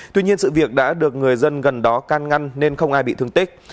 tuy nhiên sự việc đã được người dân gần đó can ngăn nên không ai bị thương tích